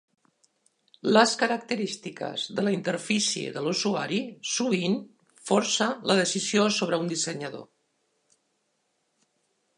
Les característiques de la interfície de l'usuari sovint força la decisió sobre un dissenyador.